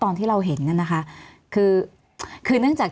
มีความรู้สึกว่ามีความรู้สึกว่า